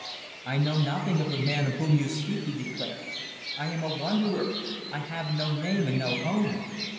"I know nothing of the man of whom you speak!" he declared. "I am a wanderer. I have no name and no home."